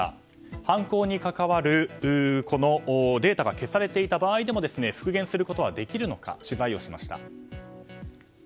犯行に関わるデータが消されていた場合でも復元することはできるのか取材をしました。